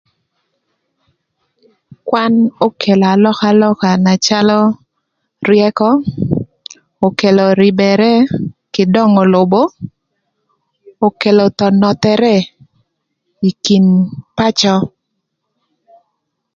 Kwan okelo alökalöka na calö ryëkö okelo rïbërë kï döngö lobo okelo thon nöthërë ï kin pacö.